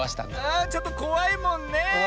あちょっとこわいもんねえ。